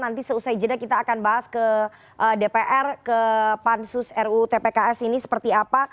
nanti seusai jeda kita akan bahas ke dpr ke pansus rutpks ini seperti apa